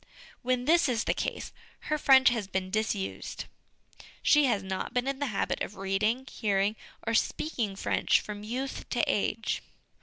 When this is the case, her French has been dis used ; she has not been in the habit of reading, hearing, or speaking French from youth to age.